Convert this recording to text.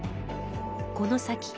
この先